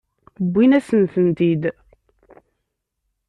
Wwin-asen-tent-id.